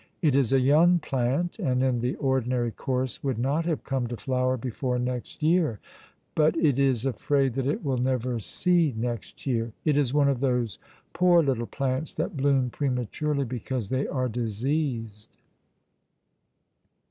"It is a young plant, and in the ordinary course would not have come to flower before next year. But it is afraid that it will never see next year. It is one of those poor little plants that bloom prematurely because they are diseased."